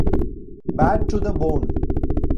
Bad to the bone.